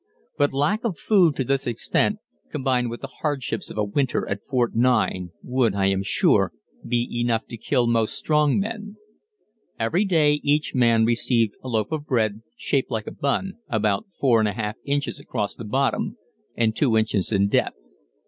But lack of food to this extent, combined with the hardships of a winter at Fort 9, would, I am sure, be enough to kill most strong men. Every day each man received a loaf of bread, shaped like a bun, about 4 1/2 inches across the bottom and 2 inches in depth.